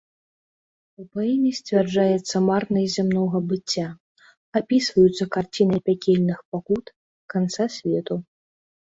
У паэме сцвярджаецца марнасць зямнога быцця, апісваюцца карціны пякельных пакут, канца свету.